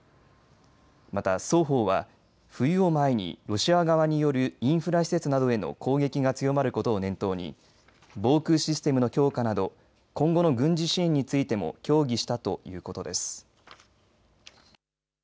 また、双方は冬を前にロシア側によるインフラ施設などへの攻撃が強まることを念頭に防空システムの強化など今後の軍事支援についても協議したということです。